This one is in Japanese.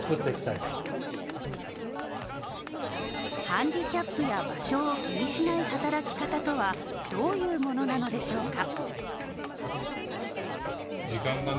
ハンディキャップや場所を気にしない働き方とは、どういうものなのでしょうか。